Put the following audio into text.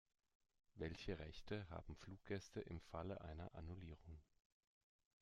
Welche Rechte haben Fluggäste im Falle einer Annullierung?